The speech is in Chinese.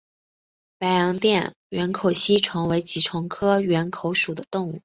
白洋淀缘口吸虫为棘口科缘口属的动物。